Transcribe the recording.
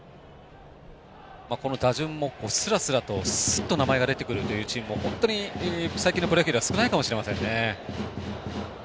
この打順もスラスラと、すっと名前が出てくるというチームも本当に最近のプロ野球では少ないかもしれませんね。